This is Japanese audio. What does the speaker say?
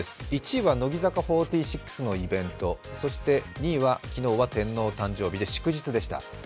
１位は乃木坂４６のイベントそして２位は昨日は天皇誕生日で祝日でした。